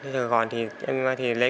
sài gòn thì em lấy